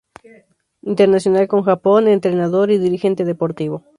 Internacional con Japón, entrenador y dirigente deportivo.